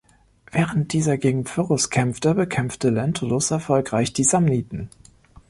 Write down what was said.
Während dieser gegen Pyrrhus kämpfte, bekämpfte Lentulus erfolgreich die Samniten.